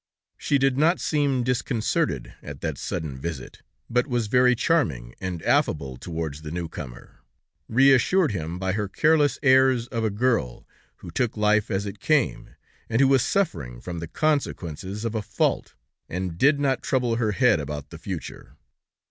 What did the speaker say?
She did not seem disconcerted at that sudden visit, but was very charming and affable towards the new comer, reassured him by her careless airs of a girl, who took life as it came, and who was suffering from the consequences of a fault, and did not trouble her head about the future.